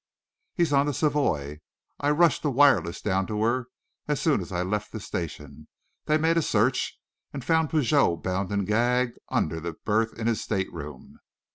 "He's on the Savoie. I rushed a wireless down to her as soon as I left the station. They made a search and found Pigot bound and gagged under the berth in his stateroom."